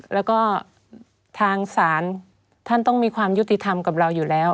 แล้วก็ทางศาลท่านต้องมีความยุติธรรมกับเราอยู่แล้ว